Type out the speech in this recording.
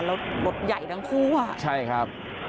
แล้วรถใหญ่ทั้งคู่อ่ะใช่ครับ